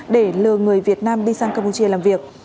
để lừa người việt nam đi sang campuchia làm việc